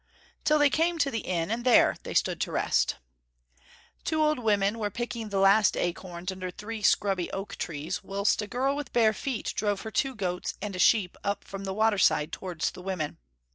Till they came to the inn, and there they stood at rest. Two old women were picking the last acorns under three scrubby oak trees, whilst a girl with bare feet drove her two goats and a sheep up from the water side towards the women.